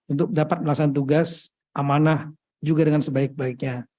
untuk dapat melaksanakan tugas amanah juga dengan sebaik baiknya